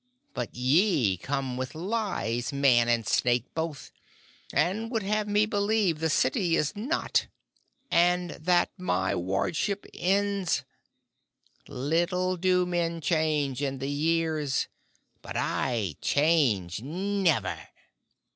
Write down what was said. But ye come with lies, Man and Snake both, and would have me believe the city is not, and that my wardship ends. Little do men change in the years. But I change never!